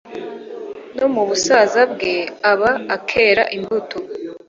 No mu busaza bwe aba akera imbuto